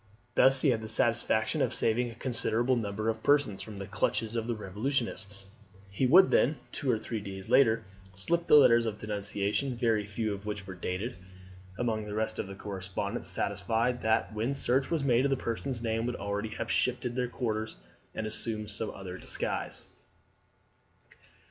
Thus he had the satisfaction of saving a considerable number of persons from the clutches of the revolutionists. He would then, two or three days later, slip the letters of denunciation, very few of which were dated, among the rest of the correspondence, satisfied that when search was made the persons named would already have shifted their quarters and assumed some other disguise.